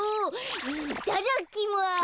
いただきます。